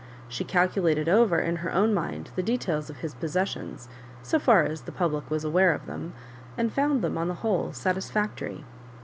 She calculated over in her own mind the details of his possessions, so far as the public was aware of them, and found them ou the whole satisfactory.